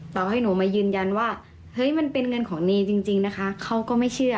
ต่อให้หนูมายืนยันว่าเฮ้ยมันเป็นเงินของเนย์จริงนะคะเขาก็ไม่เชื่อ